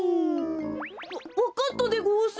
わかったでごわす。